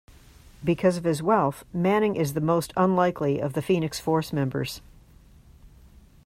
Because of his wealth, Manning is the most unlikely of the Phoenix Force members.